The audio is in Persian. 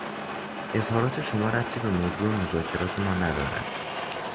اظهارات شما ربطی به موضوع مذاکرات ما ندارد.